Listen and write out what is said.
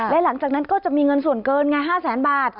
และหลังจากนั้นก็จะมีเงินส่วนเกินไง๕แสนบาท